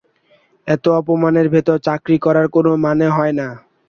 এত অপমানের ভেতর চাকরি করার কোনো মানে হয় না।